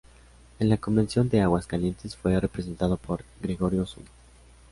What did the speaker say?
En la Convención de Aguascalientes fue representado por Gregorio Osuna.